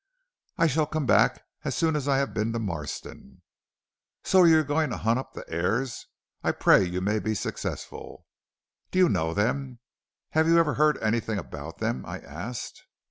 "'I shall come back as soon as I have been to Marston.' "'So you are going to hunt up the heirs? I pray you may be successful.' "'Do you know them? Have you ever heard anything about them?' I asked.